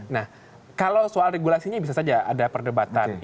nah kalau soal regulasinya bisa saja ada perdebatan